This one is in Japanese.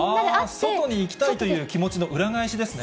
外に行きたいという気持ちの裏返しですね。